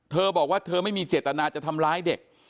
เธอบอกว่าเธอไม่มีเจตนาจะทำร้ายเด็ก